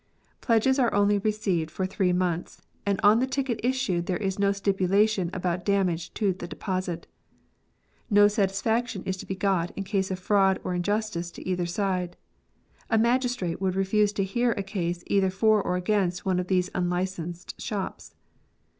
Pledges are only received for three months, and on the ticket issued there is no stipulation about damage to the deposit. No satis faction is to be got in case of fraud or injustice to either side : a magistrate would refuse to hear a case either for or against one of these unlicensed shops.